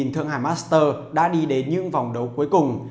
thượng hà master đã đi đến những vòng đấu cuối cùng